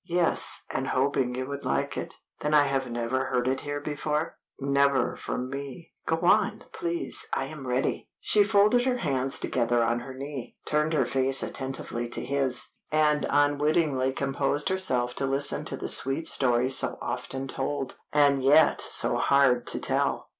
"Yes, and hoping you would like it." "Then I have never heard it before?" "Never from me." "Go on, please; I am ready." She folded her hands together on her knee, turned her face attentively to his, and unwittingly composed herself to listen to the sweet story so often told, and yet so hard to tell.